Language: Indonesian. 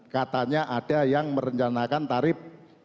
katanya ada yang merencanakan tarif